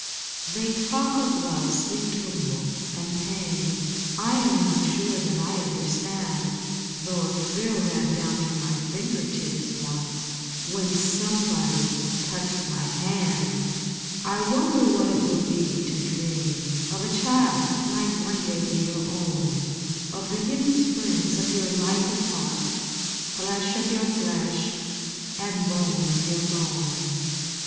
They talk of love's sweet tumult and pain : I am not sure that I understand, Though — a thrill ran down to my finger tips Once when — somebody — touched my hand ! I wonder what it would be to dream Of a child that might one day be your own ; WHAT SHE THOUGHT 169 Of the hidden springs of your life a part, Flesh of your flesh, and bone of your bone.